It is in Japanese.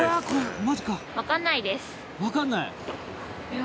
わかんない？